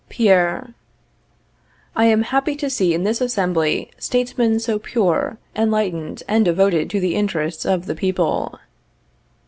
] Pierre. I am happy to see in this assembly statesmen so pure, enlightened, and devoted to the interests of the people.